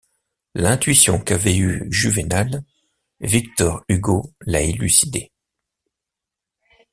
L’intuition qu’avait eue Juvénal, Victor Hugo l’a élucidée...